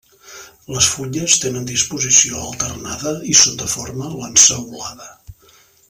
Les fulles tenen disposició alternada i són de forma lanceolada.